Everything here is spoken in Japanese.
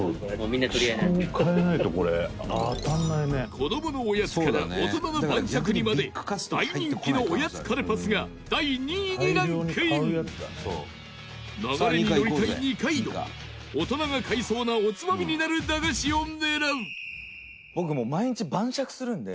子供のおやつから大人の晩酌にまで大人気のおやつカルパスが第２位にランクイン流れに乗りたい二階堂大人が買いそうなおつまみになる駄菓子を狙う二階堂：僕、もう毎日晩酌するんで。